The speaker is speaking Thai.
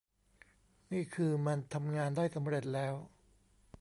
นี่คือมันทำงานได้สำเร็จแล้ว